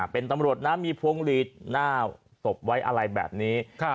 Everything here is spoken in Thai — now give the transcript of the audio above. เป็นตำรวจนะมีพวงหลีดหน้าศพไว้อะไรแบบนี้